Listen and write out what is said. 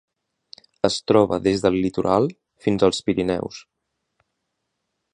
Es troba des del litoral fins als Pirineus.